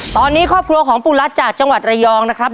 ตอนนี้ครอบครัวของปู่รัฐจากจังหวัดระยองนะครับ